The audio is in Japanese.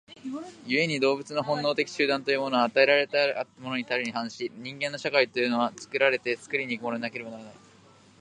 故に動物の本能的集団というものは与えられたものたるに反し、人間の社会というのは作られて作り行くものでなければならない。